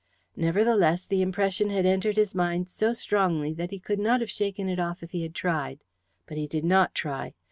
Nevertheless, the impression had entered his mind so strongly that he could not have shaken it off if he had tried. But he did not try.